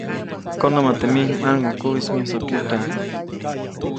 Konämä teʼ mij ʼmaŋʼukuʼis myusokyutyaʼm.